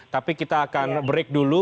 tapi kita akan break dulu